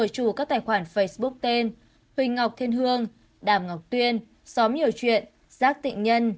như huỳnh ngọc thiên hương đàm ngọc tuyên xóm nhiều chuyện giác tịnh nhân